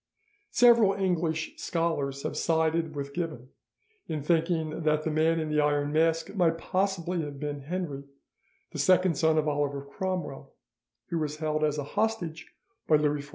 Several English scholars have sided with Gibbon in thinking that the Man in the Iron Mask might possibly have been Henry, the second son of Oliver Cromwell, who was held as a hostage by Louis XIV.